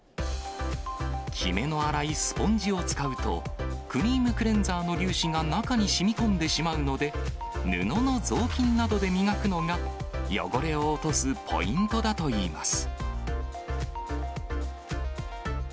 きめの粗いスポンジを使うと、クリームクレンザーの粒子が中にしみこんでしまうので、布の雑巾などで磨くのが、汚れを落とすポイントだといいます。